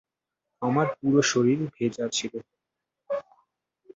আমার পুরো শরীর ভেজা ছিল।